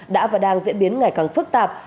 đã và đang diễn biến ngày càng phức tạp